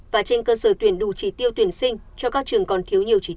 và trên cơ sở tuyển đủ trí tiêu tuyển sinh cho các trường còn thiếu nhiều trí tiêu